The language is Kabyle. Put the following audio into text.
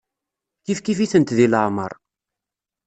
Kifkif-itent di leɛmeṛ.